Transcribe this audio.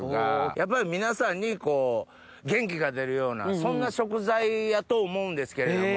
やっぱり皆さんに元気が出るようなそんな食材やと思うんですけれども。